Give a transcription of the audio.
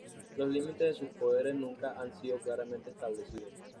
Los límites de sus poderes nunca han sido claramente establecidos.